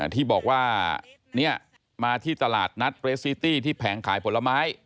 ที่บอกว่ามาที่ตลาดนัดเรสซิตี้ที่แผงขายผลไม้